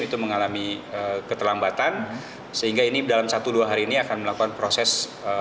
itu mengalami keterlambatan sehingga ini dalam satu dua hari ini akan melakukan proses